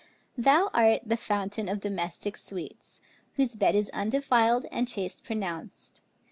Thou art the fountain of domestic sweets, Whose bed is undefiled and chaste pronounced.